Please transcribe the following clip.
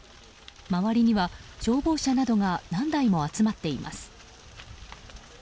周りには消防車などが何台も集まっています。